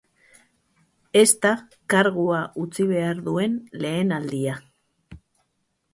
Ez da kargua utzi behar duen lehen aldia.